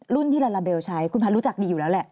ที่ลาลาเบลใช้คุณพันธ์รู้จักดีอยู่แล้วแหละ